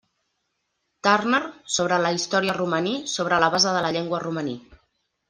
Turner sobre la història romaní sobre la base de la llengua romaní.